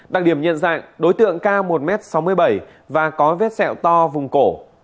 đặc điểm nhận dạng đối tượng cao một m sáu mươi bảy và có vết sẹo to vùng cổ